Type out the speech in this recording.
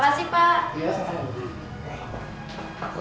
iya selamat tinggal